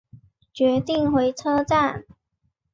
决定回车站